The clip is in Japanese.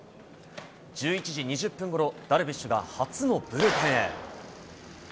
１１時２０分ごろ、ダルビッシュが初のブルペンへ。